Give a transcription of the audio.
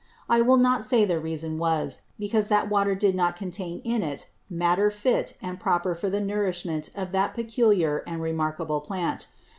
I will not say the Reason was, because that Water did not contain in it Matter fit and proper for the Nourishment of that peculiar and remarkable Plant.